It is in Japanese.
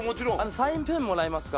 サインペンもらえますか？